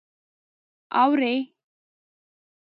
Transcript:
_اورې؟